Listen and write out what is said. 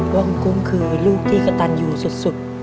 ว่ากุ้มคือลูกดิตรกระตันอยู่สุด